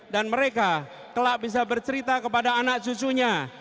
dan mereka telah bisa bercerita kepada anak cucunya